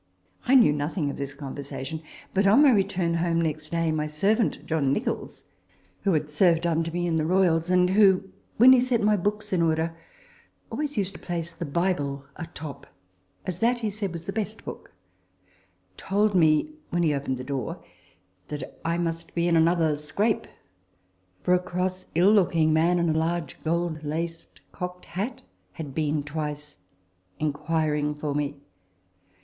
I knew nothing of this conversation, but on my return home next day, my servant, John Nicholls, who had served under me in the Royals,* and who, when he set my books in order, used always to place the Bible atop, as that, he said, was the best book, told me when he opened the door, that I must be in another scrape, for a cross, ill looking man, in a large gold laced cocked hat, had been twice inquiring for me.